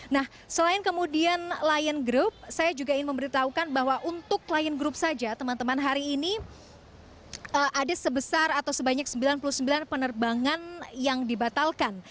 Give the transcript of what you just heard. nah selain kemudian lion group saya juga ingin memberitahukan bahwa untuk lion group saja teman teman hari ini ada sebesar atau sebanyak sembilan puluh sembilan penerbangan yang dibatalkan